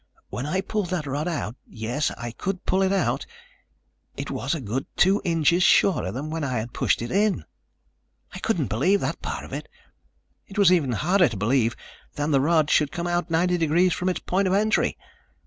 When I pulled that rod out yes, I could pull it out it was a good two inches shorter than when I had pushed it in. I couldn't believe that part of it. It was even harder to believe than that the rod should come out ninety degrees from its point of entry.